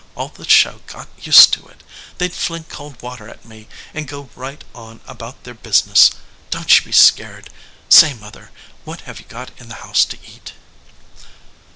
All the show got used to it. They d fling cold water at me and go right on about their business. Don t you be scared. Say, mother, what have you got in the house to eat?"